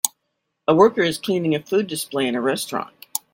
A worker is cleaning a food display in a restaurant.